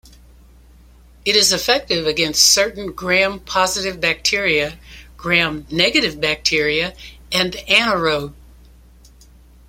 It is effective against certain gram positive bacteria, gram-negative bacteria, and anaerobe.